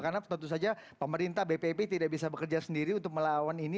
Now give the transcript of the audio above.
karena tentu saja pemerintah bpp tidak bisa bekerja sendiri untuk melawan ini